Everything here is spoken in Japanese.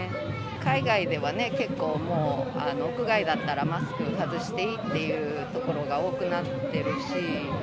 海外ではね、結構もう、屋外だったらマスク外していいっていう所が多くなってるし。